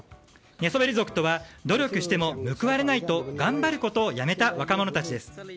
寝そべり族とは努力しても報われないと頑張ることをやめた若者たちです。